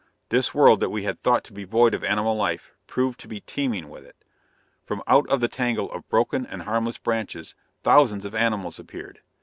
This world that we had thought to be void of animal life, proved to be teeming with it. From out of the tangle of broken and harmless branches, thousands of animals appeared.